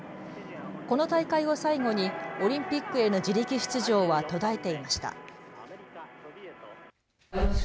この大会を最後にオリンピックへの自力出場は途絶えていました。